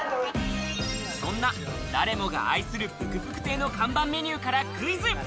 そんな、誰もが愛するプクプク亭の看板メニューからクイズ。